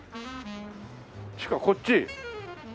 地下こっち？